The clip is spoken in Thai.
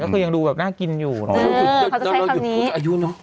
ก็คือยังดูแบบน่ากินอยู่คือเขาจะใช้คำนี้อายุน้อง